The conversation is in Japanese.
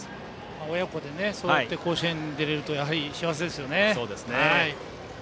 親子でそうやって甲子園に出られるとやはり幸せですよね。